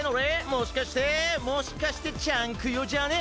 もしかしてもしかしてちゃんクヨじゃね？